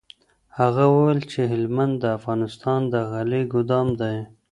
هغه وویل چي هلمند د افغانستان د غلې ګودام دی.